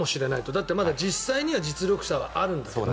だってまだ実際には実力差はあるんだから。